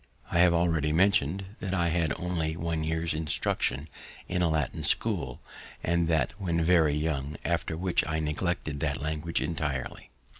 I have already mention'd that I had only one year's instruction in a Latin school, and that when very young, after which I neglected that language entirely.